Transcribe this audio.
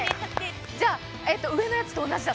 じゃあ上のやつと同じだ。